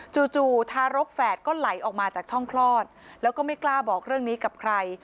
จู่ทารกแฝดก็ไหลออกมาจากช่องคลอดแล้วก็ไม่กล้าบอกเรื่องนี้กับใคร